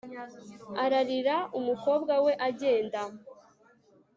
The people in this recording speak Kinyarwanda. ararira umukobwa we agenda